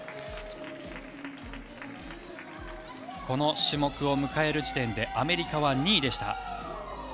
この種目を迎える時点でアメリカは２位でした。